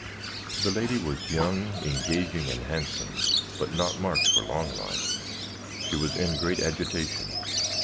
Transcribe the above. "The lady was young, engaging, and handsome, but not marked for long life. She was in great agitation.